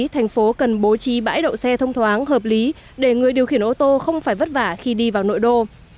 thành phố cần bố trí bãi đậu xe thông thoáng hợp lý để người điều khiển ô tô không phải vất vả khi đi vào nội đô